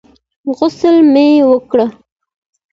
غسل مې وکړ.